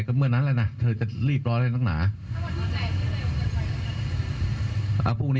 แต่ถ้าพูด